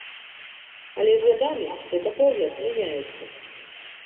Але з гадамі светапогляд мяняецца.